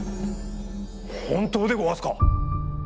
本当でごわすか？